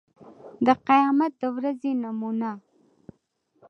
د قيامت د ورځې نومونه